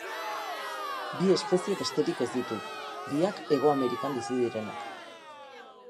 Bi espezie besterik ez ditu, biak Hego Amerikan bizi direnak.